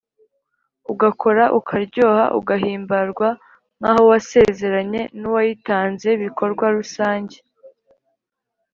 ugakora ukaryoha ugahimbarwa nk’aho wasezeranye n’uwayitanzebikorwa rusange